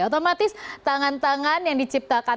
otomatis tangan tangan yang diciptakan